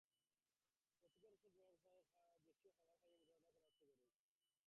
ক্ষতিকর ওষুধ ব্যবহার ছাড়াই দেশীয় খাবার খাইয়ে মোটাতাজা করা হচ্ছে এসব গরু।